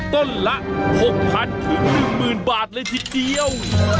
ต้นละ๖๐๐๐๑๐๐บาทเลยทีเดียว